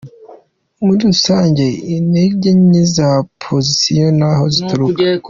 Muri rusange, intege nke za opozisiyo, ni aho zituruka.